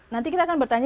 nanti kita akan bertanya